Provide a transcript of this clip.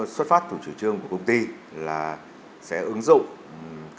xuất phát từ chủ trương của công ty là sẽ ứng dụng